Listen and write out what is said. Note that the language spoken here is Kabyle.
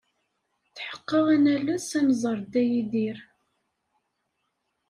Tḥeqqeɣ ad nales ad nẓer Dda Yidir.